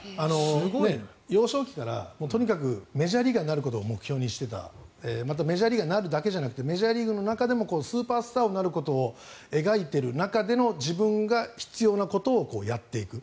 幼少期からとにかくメジャーリーガーになることを目標にしていたまた、メジャーリーガーになるだけじゃなくてメジャーリーグの中でもスーパースターになることを描いている中での自分が必要なことをやっていく。